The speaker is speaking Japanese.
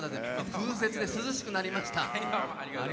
風雪で涼しくなりました。